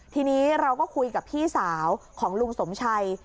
ทีนี้เราก็คุยกับพี่สาวของลุงสมชัย